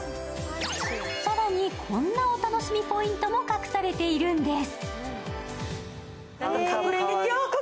更にこんなお楽しみポイントも隠されているんです。